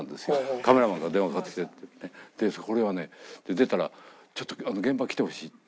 カメラマンから電話かかってきてでこれがね出たら「ちょっと現場来てほしい」。